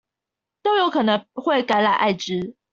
都有可能會感染愛滋